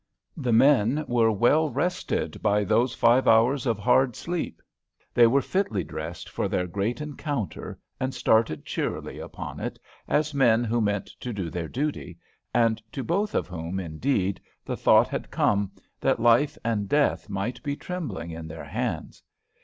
The men were well rested by those five hours of hard sleep. They were fitly dressed for their great encounter and started cheerily upon it, as men who meant to do their duty, and to both of whom, indeed, the thought had come, that life and death might be trembling in their hands.